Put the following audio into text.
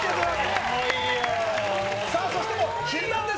さあそして、ヒルナンデス！